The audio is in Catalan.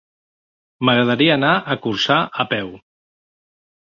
M'agradaria anar a Corçà a peu.